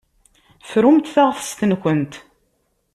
Frumt taɣtest-nkent.